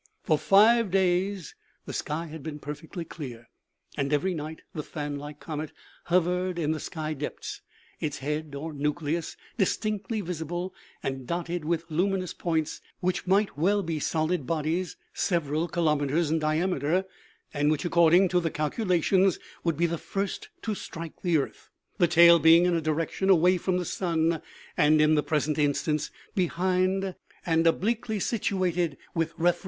For five days the sky had been perfectly clear, and every night the fan like comet hovered in the sky depths, its head, or nucleus, distinctly visible and dotted with luminous points which might well be solid bodies several kilo meters in diameter, and which, according to the calcu lations, would be the first to strike the earth, the tail being in a direction away from the sun and in the pres ent instance behind and obliquely situated with refer OMEGA.